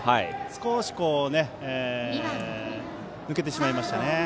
少し、抜けてしまいましたね。